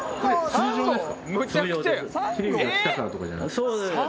通常です。